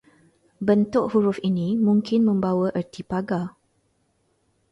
Bentuk huruf ini mungkin membawa erti pagar